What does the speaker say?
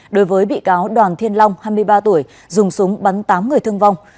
đối với bị cáo đoàn thiên long hai mươi ba tuổi dùng súng bắn tám người thương vong